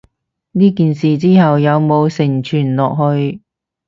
呢件事之後有無承傳落去？